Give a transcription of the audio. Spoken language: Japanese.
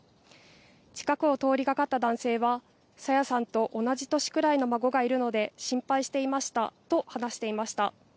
近くを通りがかった男性は、朝芽さんと同じ年くらいの孫がいるので、心配していましたと話していました。